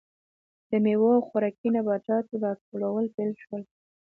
د میوو او خوراکي نباتاتو راټولول پیل شول.